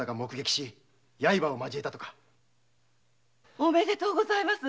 おめでとうございます。